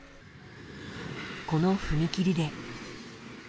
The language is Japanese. この踏切で。